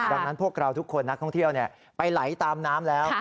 ดังนั้นพวกเราทุกคนนักท่องเที่ยวไปไหลตามน้ำแล้ว